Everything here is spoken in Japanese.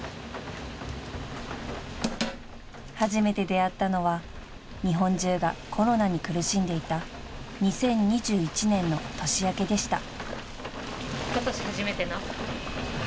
［初めて出会ったのは日本中がコロナに苦しんでいた２０２１年の年明けでした］